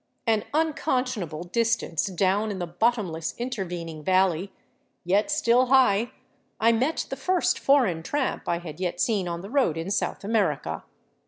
An unconscionable distance down in the bottomless intervening valley, yet still high, I met the first foreign tramp I had yet seen on the road in South Amer ica.